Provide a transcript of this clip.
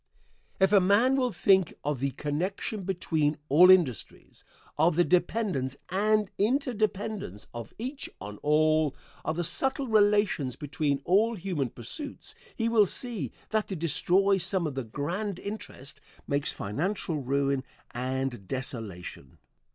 If a man will think of the connection between all industries of the dependence and inter dependence of each on all; of the subtle relations between all human pursuits he will see that to destroy some of the grand interest makes financial ruin and desolation.